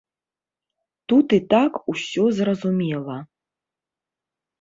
Тут і так усё зразумела.